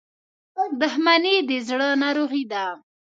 • دښمني د زړه ناروغي ده.